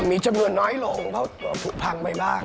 มีจำนวนน้อยลงเพราะตัวผูกพังไปบ้าง